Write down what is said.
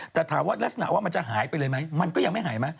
แต่ถามว่ารักษณะว่ามันจะหายไปเลยไหมมันก็ยังไม่หายไหม